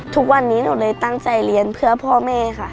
ทุกวันนี้หนูเลยตั้งใจเรียนเพื่อพ่อแม่ค่ะ